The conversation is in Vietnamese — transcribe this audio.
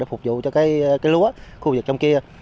phục vụ cho cái lúa khu vực trong kia